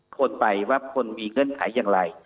คนไปว่าคนมีเงื่อนไขอย่างไร